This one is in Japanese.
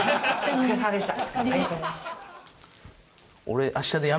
お疲れさまでした。